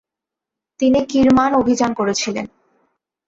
তিনি কিরমান অভিযান করেছিলেন।